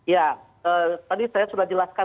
ya tadi saya sudah jelaskan